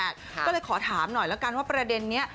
ก็เลยขอถามหน่อยแล้วกันว่าประเด็นนี้